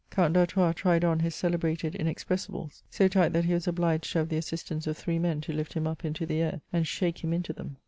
Count d' Artois tried on his celebrated inexpressibles, so tight that he was obUged to have the assistance of three men to lift him up into the air and shake him into them.